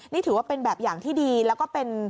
นี่ถือว่าเป็นแบบอย่างที่ดีแล้วก็เป็น